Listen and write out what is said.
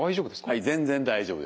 はい全然大丈夫です。